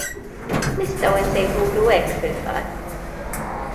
Nistgħu nsejħulu hekk fil-fatt.